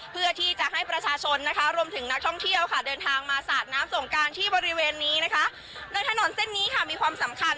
เพื่อที่จะให้ประชาชนนะคะรวมถึงนักท่องเที่ยวค่ะเดินทางมาสัดน้ำสงกรานที่บริเวณนี้นะคะ